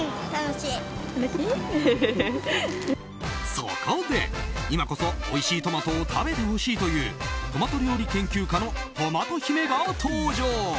そこで、今こそおいしいトマトを食べてほしいというトマト料理研究家のトマト姫が登場。